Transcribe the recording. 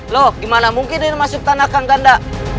loh gimana mungkin ini masuk tanah kang ganda